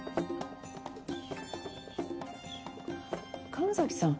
神崎さん